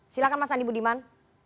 silahkan mas andi budiman